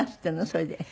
それで。